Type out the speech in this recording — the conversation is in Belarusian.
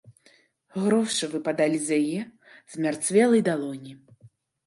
Грошы выпадалі з яе змярцвелай далоні.